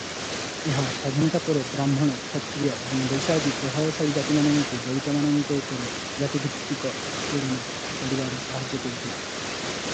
ଏହା ସ୍ୱାଧୀନତା ପରେ ବ୍ରାହ୍ମଣ, କ୍ଷତ୍ରିୟ ଏବଂ ବୈଶ୍ୟାଦି ପ୍ରଭାବଶାଳୀ ଜାତିମାନଙ୍କୁ ଦଳିତମାନଙ୍କ ଉପରେ ଜାତିଭିତ୍ତିକ ଉତ୍ପୀଡ଼ନ କରିବାରେ ସାହାଯ୍ୟ କରିଥିଲା ।